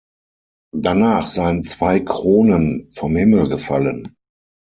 Danach seien zwei Kronen vom Himmel gefallen.